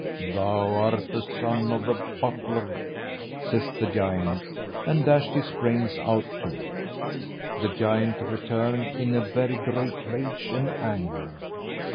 "Thou art the son of the butler," says the giant and dashed his brains out too. The giant returned in a very great rage and anger.